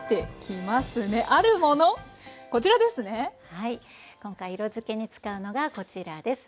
はい今回色づけに使うのがこちらです。